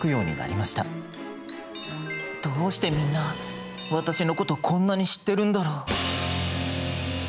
「どうしてみんな私のことこんなに知ってるんだろう？」。